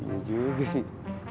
iya juga sih